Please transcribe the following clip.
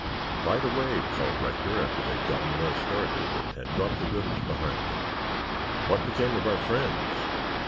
"By the way," called Rector after they had gotten well started and had dropped the village behind them, "what became of our friends?"